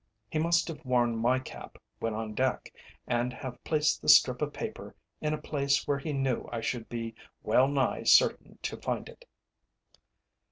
He must have worn my cap when on deck, and have placed the strip of paper in a place where he knew I should be well nigh certain to find it.